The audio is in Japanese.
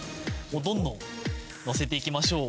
どんどんのせていきましょう。